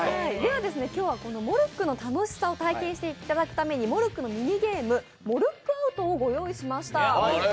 今日はモルックの楽しさを体験していただくために、モルックのミニゲーム、モルックアウトを御用意しました。